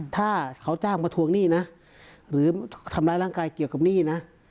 ถ้าเขาจ้างมาทวงหนี้นะหรือทำร้ายร่างกายเกี่ยวกับหนี้นะ